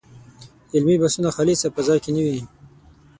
علمي بحثونه خالصه فضا کې نه دي.